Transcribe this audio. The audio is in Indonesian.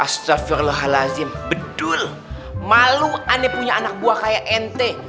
astaghfirullahaladzim bedul malu aneh punya anak buah kayak ente